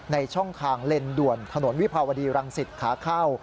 ช่องทางเลนด่วนถนนวิภาวดีรังสิตขาเข้า